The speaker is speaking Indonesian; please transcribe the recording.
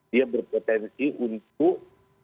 dia berpotensi untuk